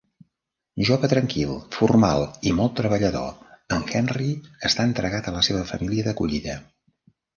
Jove tranquil, formal i molt treballador, en Henry està entregat a la seva família d'acollida.